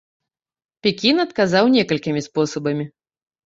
Пекін адказаў некалькімі спосабамі.